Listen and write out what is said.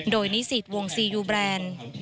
โดยนิสิตวงซียูแบรนด์